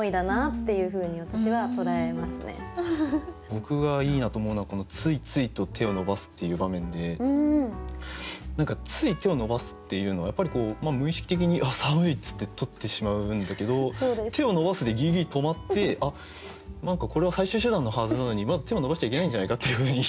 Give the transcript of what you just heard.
僕がいいなと思うのはこのついついと手を伸ばすっていう場面で何かつい手を伸ばすっていうのはやっぱりこう無意識的に「寒い」っつって取ってしまうんだけど手を伸ばすでギリギリ止まって何かこれは最終手段のはずなのにまだ手を伸ばしちゃいけないんじゃないかっていうふうに。